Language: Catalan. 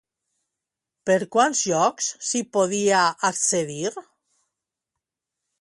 Per quants llocs s'hi podia accedir?